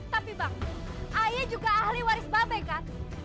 tapi bang ayah juga ahli waris babe kan